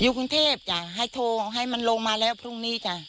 กรุงเทพจ้ะให้โทรให้มันลงมาแล้วพรุ่งนี้จ้ะ